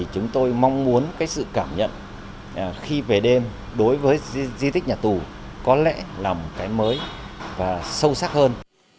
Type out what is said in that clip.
chúng tôi mong muốn sự cảm nhận khi về đêm đối với di tích nhà tù có lẽ là một cái mới và sâu sắc hơn